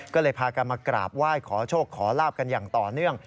ก็เลยพากันมากราบไหว้ขอโชคขอลาบกันอย่างต่อเนื่อง